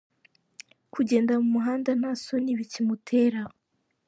Kugenda mu muhanda nta soni bikimutera.